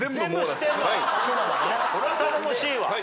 これは頼もしいわ。